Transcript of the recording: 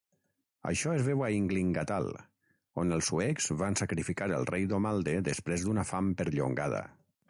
Això es veu a "Ynglingatal", on els suecs van sacrificar el rei Domalde després d'una fam perllongada.